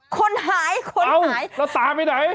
คนหายคนหายแล้วตามไปไหน